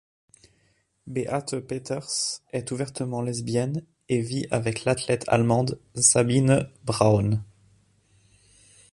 Beate Peters est ouvertement lesbienne et vit avec l'athlète allemande Sabine Braun.